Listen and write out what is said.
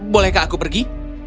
bolehkah aku pergi